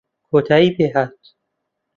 کۆتایی پێ هات